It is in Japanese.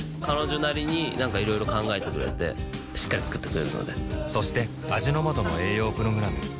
彼女なりになんかいろいろ考えてくれてしっかり作ってくれるのでそして味の素の栄養プログラム